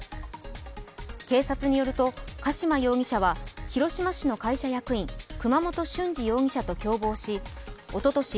警察によると加島容疑者は広島市の会社役員、熊本俊二容疑者と共謀しおととし、